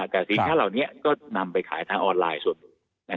แต่สินค้าเหล่านี้ก็นำไปขายทางออนไลน์ส่วนหนึ่ง